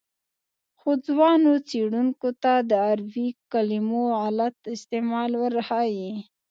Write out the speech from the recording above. خو ځوانو څېړونکو ته د عربي کلمو غلط استعمال ورښيي.